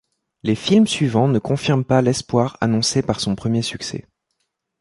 Les films suivants ne confirment pas l’espoir annoncé par son premier succès.